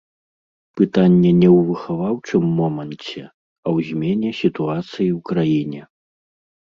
Пытанне не ў выхаваўчым моманце, а ў змене сітуацыі ў краіне.